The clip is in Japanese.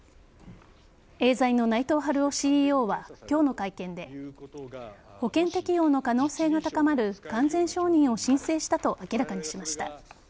エーザイの内藤晴夫ＣＥＯは今日の会見で保険適用の可能性が高まる完全承認を申請したと明らかにしました。